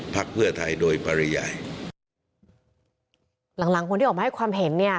พักเพื่อไทยโดยปริยายหลังหลังคนที่ออกมาให้ความเห็นเนี่ย